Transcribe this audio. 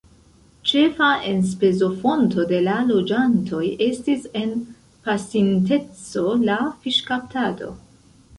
Ĉefa enspezofonto de la loĝantoj estis en pasinteco la fiŝkaptado.